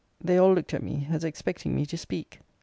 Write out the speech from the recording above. They all looked at me, as expecting me to speak.